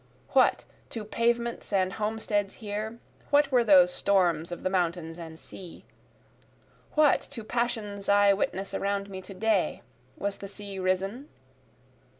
What, to pavements and homesteads here, what were those storms of the mountains and sea? What, to passions I witness around me to day? was the sea risen?